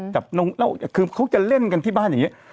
กับคือเขาจะเล่นกันที่บ้านอย่างนี้